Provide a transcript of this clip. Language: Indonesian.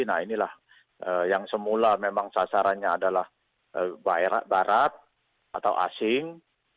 nah inilah yang semula memang sasarannya adalah barat atau asing